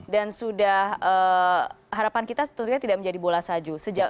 dan sudah harapan kita tentunya tidak menjadi bola saju